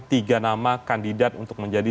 tiga nama kandidat untuk menjadi